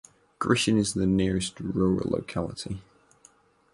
Grishin is the nearest rural locality.